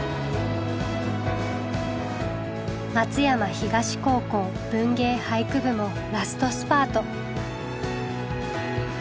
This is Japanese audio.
松山東高校文芸・俳句部もラストスパート。